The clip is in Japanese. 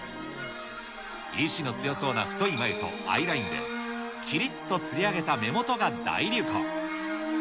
意志の強そうな太い眉とアイラインで、きりっとつり上げた目元が大流行。